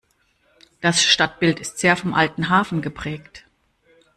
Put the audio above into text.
Das Stadtbild ist sehr vom alten Hafen geprägt.